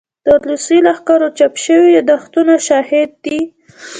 د روسي لښکرو چاپ شوي يادښتونه شاهد دي.